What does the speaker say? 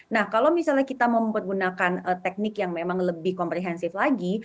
nah kalau misalnya kita mau menggunakan teknik yang memang lebih komprehensif lagi